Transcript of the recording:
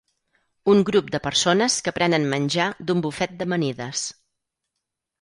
Un grup de persones que prenen menjar d'un bufet d'amanides.